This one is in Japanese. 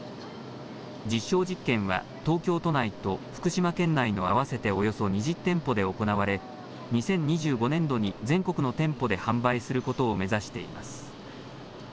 実証実験は東京都内と福島県内の合わせておよそ２０店舗で行われ、２０２５年度に全国の店舗で販売することを目指しています。